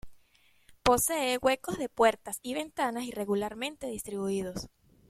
Posee huecos de puertas y ventanas irregularmente distribuidos.